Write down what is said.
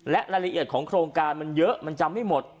และรายละเอียดของโครงการมันเยอะมันจำไม่หมด